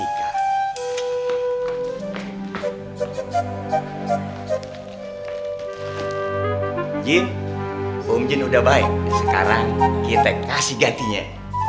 jenjil omjin udah baik sekarang kita kasih gantinya